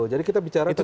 jadi kita bicara tentang